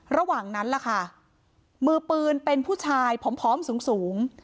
ระหว่างนั้นล่ะค่ะมือปืนเป็นผู้ชายผอมสูง